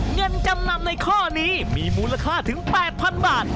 เงินจำนำในข้อนี้มีมูลค่าถึง๘๐๐๐บาท